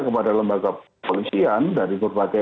kepada lembaga polisian dari berbagai